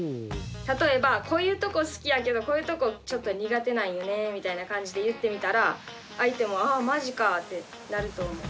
例えばこういうとこ好きやけどこういうとこちょっと苦手なんよねみたいな感じで言ってみたら相手もああまじかってなると思う。